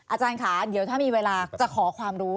อาจารย์ค่ะเดี๋ยวถ้ามีเวลาจะขอความรู้